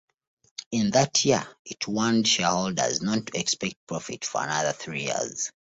In that year it warned shareholders not to expect profit for another three years.